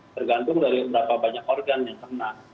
tergantung dari berapa banyak organ yang kena